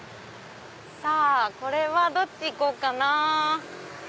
さぁこれはどっち行こうかな。